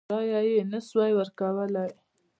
رایه یې نه سوای ورکولای.